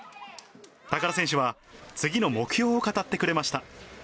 高田選手は、次の目標を語ってくれました。